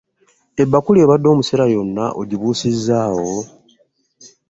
Ebbakuli ebadde omusera yonna ogibuusizzaawo?